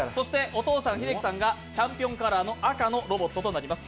お父さん、英樹さんがチャンピオンカラーの赤となります。